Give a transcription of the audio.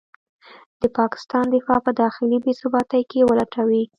د پاکستان دفاع په داخلي بې ثباتۍ کې ولټوي.